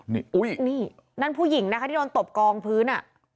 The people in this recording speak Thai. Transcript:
นี่อุ้ยนี่นั่นผู้หญิงนะคะที่โดนตบกองพื้น